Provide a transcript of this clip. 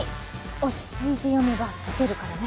落ち着いて読めば解けるからね。